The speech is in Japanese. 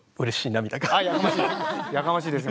やかましいですよ